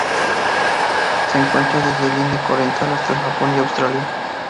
Se encuentra desde el Índico oriental hasta el Japón y Australia.